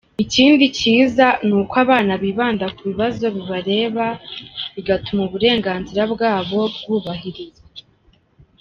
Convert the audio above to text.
Ikindi cyiza ni uko abana bibanda ku bibazo bibareba, bigatuma uburenganzira bwabo bwubahirizwa”.